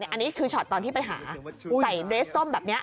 อันนี้คือช็อตตอนที่ไปหาใส่เดรสส้มแบบนี้